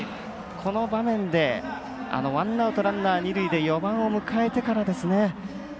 この場面でワンアウトランナー、二塁で４番を迎えてからですね。